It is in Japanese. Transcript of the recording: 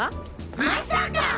まさか！